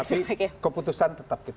tapi keputusan tetap di jakarta theater ya